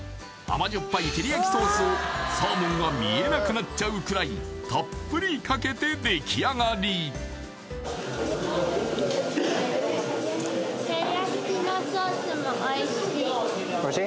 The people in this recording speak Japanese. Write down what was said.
まじょっぱいテリヤキソースをサーモンが見えなくなっちゃうくらいたっぷりかけてできあがりおいしい？